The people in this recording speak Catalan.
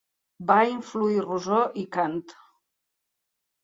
Va influir Rousseau i Kant.